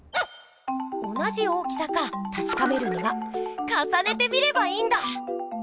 同じ大きさかたしかめるにはかさねてみればいいんだ！